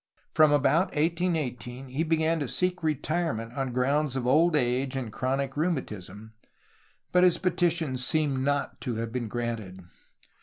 From about 1818 he began to seek retirement on grounds of old age and chronic rheumatism, but his petitions seem not to have been granted.